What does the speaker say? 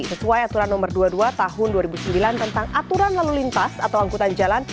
sesuai aturan nomor dua puluh dua tahun dua ribu sembilan tentang aturan lalu lintas atau angkutan jalan